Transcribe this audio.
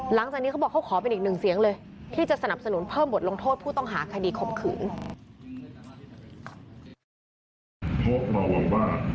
หลังจากนี้เขาบอกเขาขอเป็นอีกหนึ่งเสียงเลยที่จะสนับสนุนเพิ่มบทลงโทษผู้ต้องหาคดีข่มขืน